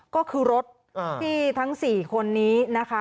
ก็คือรถที่ทั้ง๔คนนี้นะคะ